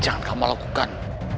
jangan kamu lakukan